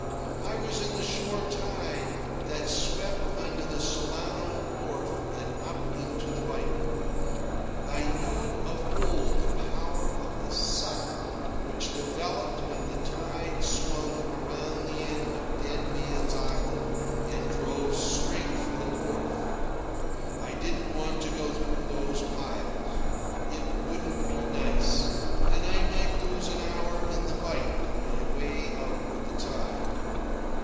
I was in the shore tide that swept under the Solano wharf and on into the bight. I knew of old the power of the suck which developed when the tide swung around the end of Dead Man's Island and drove straight for the wharf. I didn't want to go through those piles. It wouldn't be nice, and I might lose an hour in the bight on my way out with the tide.